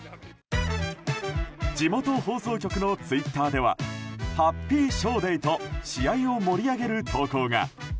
地元放送局のツイッターではＨａｐｐｙＳｈｏＤａｙと試合を盛り上げる投稿が。